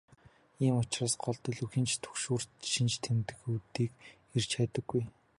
Ийм учраас гол төлөв хэн ч түгшүүрт шинж тэмдгүүдийг эрж хайдаггүй.